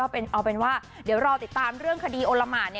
เอาเป็นว่าเดี๋ยวรอติดตามเรื่องคดีโอละหมาน